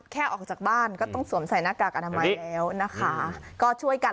ออกจากบ้านก็ต้องสวมใส่หน้ากากอนามัยแล้วนะคะก็ช่วยกัน